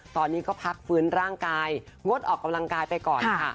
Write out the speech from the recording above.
ตอนนี้ก็พักฟื้นร่างกายงดออกกำลังกายไปก่อนค่ะ